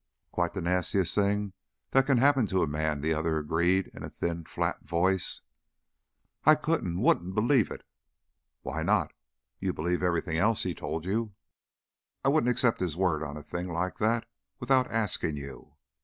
"Quite the nastiest thing that can happen to a man," the other agreed in a thin, flat voice. "I couldn't, wouldn't believe it." "Why not? You believed everything else he told you." "I wouldn't accept his word on a thing like that without asking you."